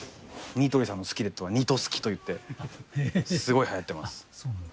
ニトリさんのスキレットは「ニトスキ」と言ってすごい流行ってます！